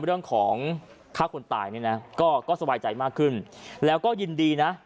เรื่องของฆ่าคนตายเนี่ยนะก็สบายใจมากขึ้นแล้วก็ยินดีนะ